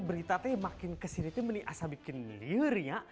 berita tete makin kesini itu benih asal bikin liur ya